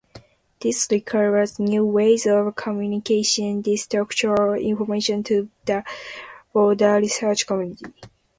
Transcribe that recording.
This requires new ways of communicating this structural information to the broader research community.